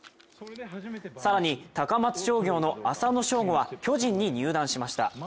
更に高松商業の浅野翔吾は巨人に入団しました。